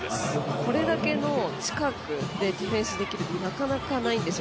これだけの近くでディフェンスできるってなかなかないんですよ。